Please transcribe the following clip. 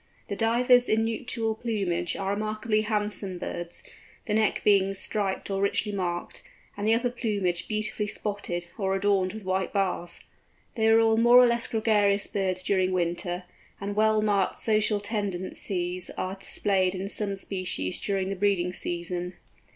The Divers in nuptial plumage are remarkably handsome birds, the neck being striped or richly marked, and the upper plumage beautifully spotted or adorned with white bars. They are all more or less gregarious birds during winter, and well marked social tendencies are displayed in some species during the breeding season.